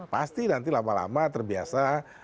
pasti nanti lama lama terbiasa